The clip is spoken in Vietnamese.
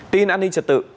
tin an ninh trật tự